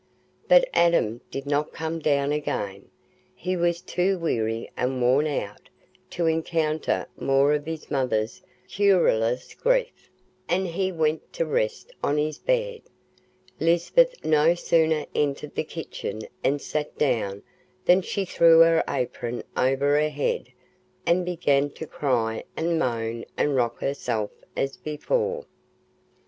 But Adam did not come down again; he was too weary and worn out to encounter more of his mother's querulous grief, and he went to rest on his bed. Lisbeth no sooner entered the kitchen and sat down than she threw her apron over her head, and began to cry and moan and rock herself as before.